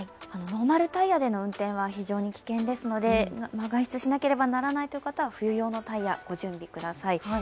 ノーマルタイヤでの運転は非常に危険ですので外出しなければならない方は冬用のタイヤ、ご準備ください。